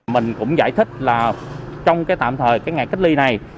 mình cũng giải thích là trong cái tạm thời cái ngày cách ly này